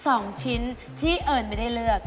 สองชิ้นที่เอิญไม่ได้เลือก